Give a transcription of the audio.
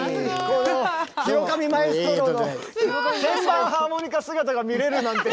広上マエストロの鍵盤ハーモニカ姿が見れるなんて！